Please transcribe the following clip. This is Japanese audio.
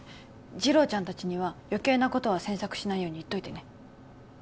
次郎ちゃん達には余計なことは詮索しないように言っといてね